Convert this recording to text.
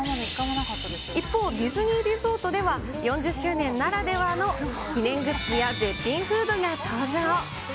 一方、ディズニーリゾートでは、４０周年ならではの記念グッズや、絶品フードが登場。